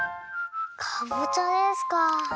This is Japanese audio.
かぼちゃですか。